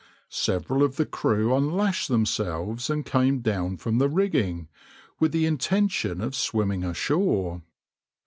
Several of the crew unlashed themselves and came down from the rigging, with the intention of swimming ashore.